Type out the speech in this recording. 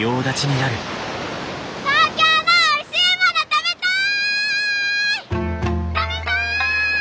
食べたい！